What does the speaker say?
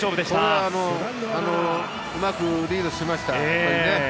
これはうまくリードしました。